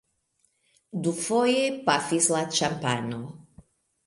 Dufoje pafis la ĉampano.